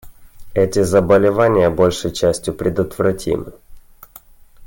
Эти заболевания большей частью предотвратимы.